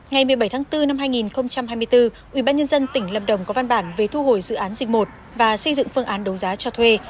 ngày một mươi bảy tháng bốn năm hai nghìn hai mươi bốn ubnd tỉnh lâm đồng có văn bản về thu hồi dự án dinh một và xây dựng phương án đấu giá cho thuê